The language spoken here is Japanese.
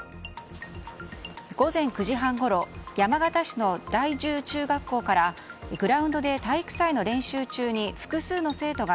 午前９時半ごろ山形市の第十中学校からグラウンドで体育祭の練習中に複数の生徒が